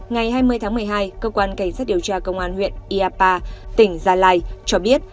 ngày hai mươi tháng một mươi hai cơ quan cảnh sát điều tra công an huyện iapa tỉnh gia lai cho biết